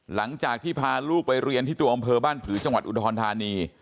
หลังจากที่พาลูกไปเรียนที่ตัวอำเภอบ้านผือจังหวัดอุดรธานี